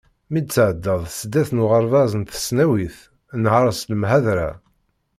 Mi d-tɛeddaḍ sdat n uɣerbaz d tesnawit, nher s lemḥadra.